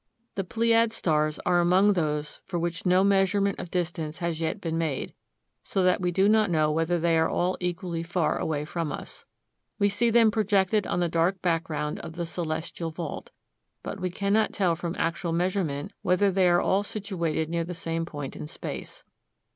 The Pleiad stars are among those for which no measurement of distance has yet been made, so that we do not know whether they are all equally far away from us. We see them projected on the dark background of the celestial vault; but we cannot tell from actual measurement whether they are all situated near the same point in space.